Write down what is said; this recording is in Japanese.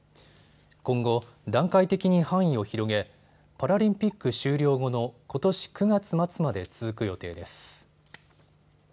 今後、段階的に範囲を広げ、パラリンピック終了後のことし９月末まで続く予定です。